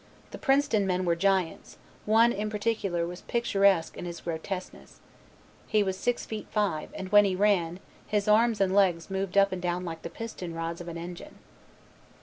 "The Princeton men were giants, one in particular was picturesque in his grotesqueness. He was 6 feet 5 and, when he ran, his arms and legs moved up and down like the piston rods of an engine."